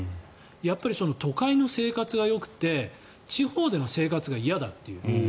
やっぱり都会の生活がよくて地方での生活が嫌だと。